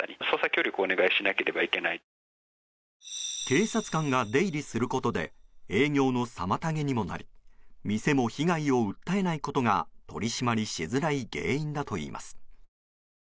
警察官が出入りすることで営業の妨げにもなり店も被害を訴えないことが取り締まりしづらい原因だといいます。